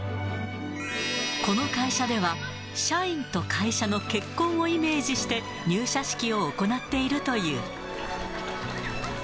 この会社では、社員と会社の結婚をイメージして入社式を行っているという。